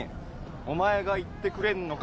お前が言ってくれんのか？